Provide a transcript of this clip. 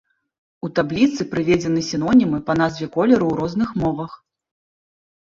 У табліцы прыведзены сінонімы па назве колеру ў розных мовах.